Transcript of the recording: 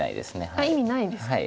あっ意味ないですか。